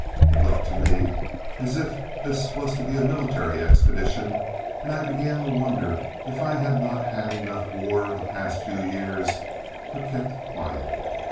It looked to me as if this was to be a military expedition, and I began to wonder if I had not had enough war the past few years, but kept quiet.